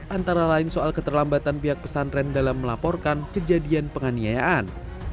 antara lain soal keterlambatan pihak pesantren dalam melaporkan kejadian penganiayaan